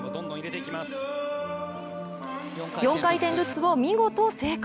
４回転ルッツを見事成功。